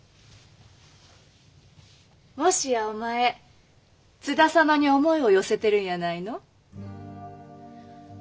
もしやお前津田様に思いを寄せてるんやないの？